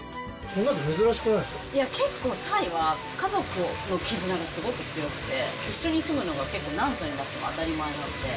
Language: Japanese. いや、結構タイは、家族の絆がすごく強くて、一緒に住むのが結構、何歳になっても当たり前なので。